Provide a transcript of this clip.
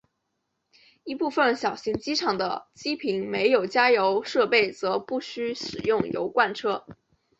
一部份小型机场的机坪设有加油设备则不需使用油罐车。